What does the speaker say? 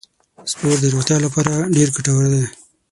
سپورت د روغتیا لپاره ډیر ګټور دی.